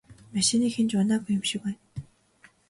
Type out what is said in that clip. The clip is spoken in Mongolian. Машиныг хэн ч унаагүй юм шиг байна.